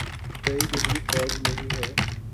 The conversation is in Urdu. گئی گزری فوج نہیں ہے۔